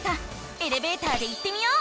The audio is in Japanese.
エレベーターで行ってみよう！